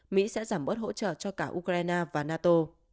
mỹ sẽ giảm bớt hỗ trợ cho cả ukraine và nato